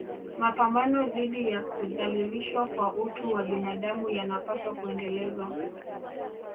Mapambano dhidi ya kudhalilishwa kwa utu wa binadamu yanapaswa kuendelezwa